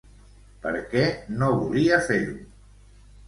Per què no volia fer-ho?